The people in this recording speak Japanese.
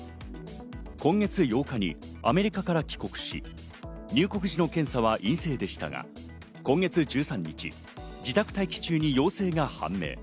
今月８日にアメリカから帰国し、入国時の検査は陰性でしたが、今月１３日、自宅待機中に陽性が判明。